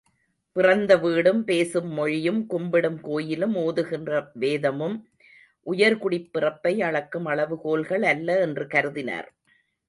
பிறந்த வீடும், பேசும் மொழியும், கும்பிடும் கோயிலும், ஓதுகிற வேதமும் உயர்குடிப்பிறப்பை அளக்கும் அளவுகோல்கள் அல்ல என்று கருதினார்.